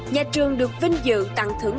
nhà trường được vinh dự tặng thưởng